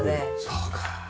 そうか。